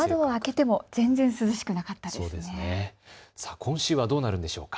今週はどうなるんでしょうか。